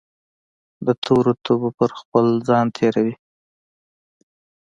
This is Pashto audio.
دتورو تبو پرخپل ځان تیروي